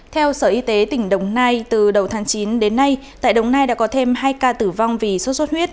theo sở y tế tỉnh đồng nai từ đầu tháng chín đến nay tại đồng nai đã có thêm hai ca tử vong vì sốt xuất huyết